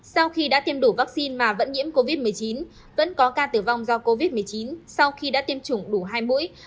sau khi đã tiêm đủ vaccine mà vẫn nhiễm covid một mươi chín vẫn có ca tử vong do covid một mươi chín sau khi đã tiêm chủng đủ hai mũi